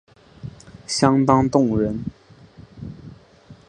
相当动人